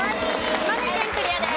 島根県クリアです。